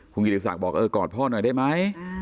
คุณกิริสักบอกกอดพ่อหน่อยได้ไหม